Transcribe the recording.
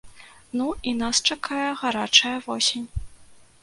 Ну і нас чакае гарачая восень.